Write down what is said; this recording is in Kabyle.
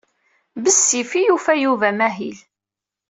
Bessif i yufa Yuba amahil.